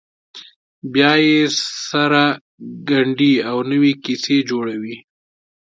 بیا یې سره ګنډي او نوې کیسې جوړوي.